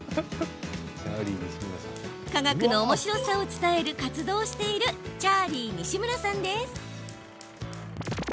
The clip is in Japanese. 科学のおもしろさを伝える活動をしているチャーリー西村さんです。